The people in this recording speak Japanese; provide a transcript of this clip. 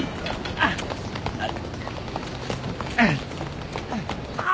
あっあっ。